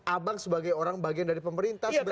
abang sebagai orang bagian dari pemerintah